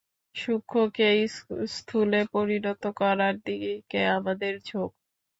সূক্ষ্মকে স্থূলে পরিণত করার দিকে আমাদের ঝোঁক।